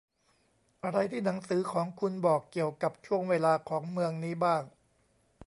อะไรที่หนังสือของคุณบอกเกี่ยวกับช่วงเวลาของเมืองนี้บ้าง